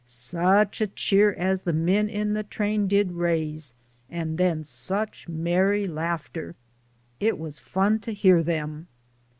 Such a cheer as the men in the train did raise, and then such merry laughter ; it was fun to hear them.